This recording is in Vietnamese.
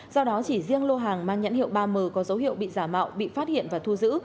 do đó chỉ riêng lô hàng mang nhãn hiệu ba m có dấu hiệu bị giả mạo bị phát hiện và thu giữ